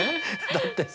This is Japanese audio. だってさ。